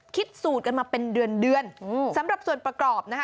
คิดสูตรกันมาเป็นเดือนเดือนสำหรับส่วนประกอบนะคะ